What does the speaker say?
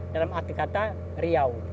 dalam arti kata riau